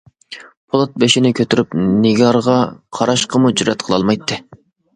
پولات بېشىنى كۆتۈرۈپ نىگارغا قاراشقىمۇ جۈرئەت قىلالمايتتى.